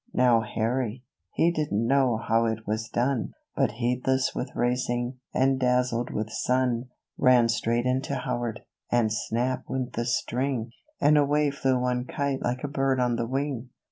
How Harry, — he didn't know how it was done, — But heedless with racing, and dazzled with sun, ANGRY WORDS. 19 Ran straight into Howard, and snap went the string ; And away flew one kite like a bird on the wing